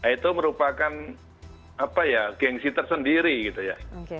itu merupakan apa ya gengsi tersendiri gitu ya